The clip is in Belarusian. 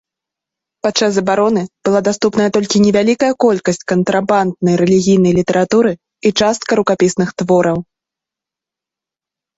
Падчас забароны была даступная толькі невялікая колькасць кантрабанднай рэлігійнай літаратуры і частка рукапісных твораў.